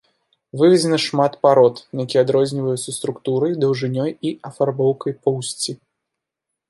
Выведзена шмат парод, якія адрозніваюцца структурай, даўжынёй і афарбоўкай поўсці.